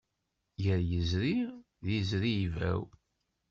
Gar yizri, d yizri ibaw.